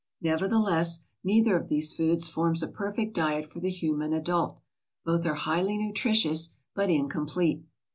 Nevertheless, neither of these foods forms a perfect diet for the human adult. Both are highly nutritious, but incomplete.